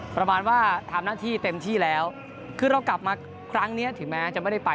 ประมาณว่าทำหน้าที่เต็มที่แล้วคือเรากลับมาครั้งนี้ถึงแม้จะไม่ได้ไป